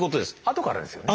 あとからですよね？